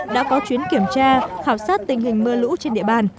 đã có chuyến kiểm tra khảo sát tình hình mưa lũ trên địa bàn